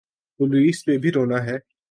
Police پہ بھی رونا ہے۔